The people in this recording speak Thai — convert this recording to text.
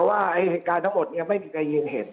ว่าเหตุการณ์ทั้งหมดไม่มีใครยืนเห็น